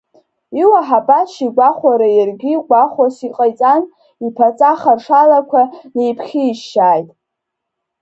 Иуа Ҳабашь игәахәара иаргьы гәахәас иҟаиҵан, иԥаҵа харшалақәа неиԥхьишьшьааит.